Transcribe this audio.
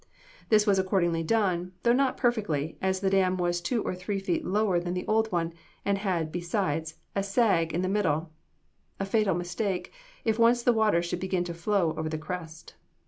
This was accordingly done, though not perfectly, as the dam was two or three feet lower than the old one, and had, besides, a sag in the middle. A fatal mistake, if once the water should begin to flow over the crest.